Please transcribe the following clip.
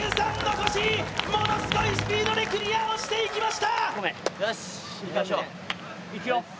ものすごいスピードでクリアしていきました。